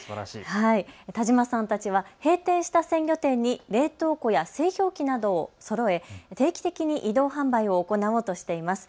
田島さんたちは閉店した鮮魚店に冷凍庫や製氷機などをそろえ定期的に移動販売を行おうとしています。